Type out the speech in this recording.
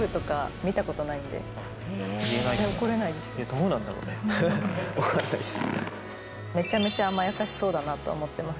どうなんだろうね分かんないです。